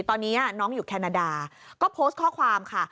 ตอนนี้น้องอยู่แคนาดาก็โพสต์ข้อความค่ะ